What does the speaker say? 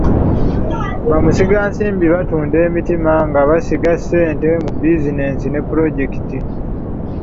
Bamusigansimbi batunda emitima nga basiga ssente mu bizinensi ne pulojekiti.